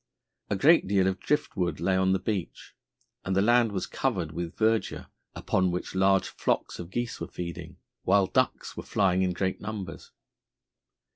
A great deal of drift wood lay along the beach, and the land was covered with verdure upon which large flocks of geese were feeding, while ducks were flying in great numbers.